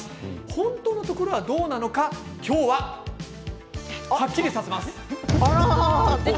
本当のところは、どうなのか今日は、はっきりさせます。